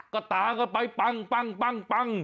ก็ตาก็ไปปัง